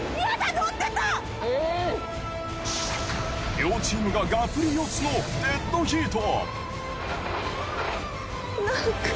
両チームががっぷり四つのデッドヒート。